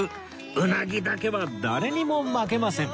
うなぎだけは誰にも負けません